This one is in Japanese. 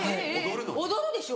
踊るでしょ？